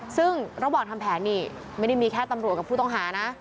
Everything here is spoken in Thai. ซึ่งระหว่างทำแผนนี่ไม่ได้มีแค่ตำรวจกับผู้ต้องหานะ